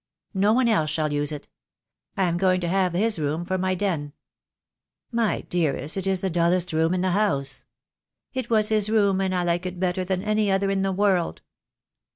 No one else shall use it. I am going to have his room for my den." "My dearest, it is the dullest room in the house." THE DAY WILL COME. I 43 "It was his room, and I like it better than any other in the world."